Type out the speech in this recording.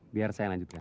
biar saya lanjutkan